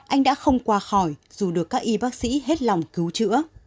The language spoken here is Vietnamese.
anh đã không qua khỏi dù được các y bác sĩ hết lòng cứu chữa